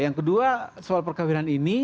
yang kedua soal perkawinan ini